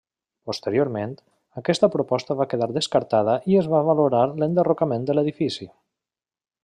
Posteriorment, aquesta proposta va quedar descartada i es va valorar l'enderrocament de l'edifici.